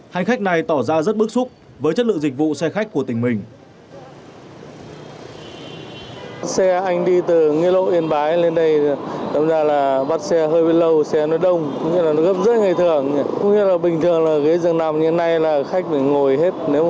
hành khách này tỏ ra rất bức xúc với chất lượng dịch vụ xe khách của tỉnh mình